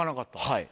はい。